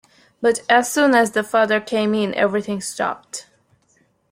But as soon as the father came in, everything stopped.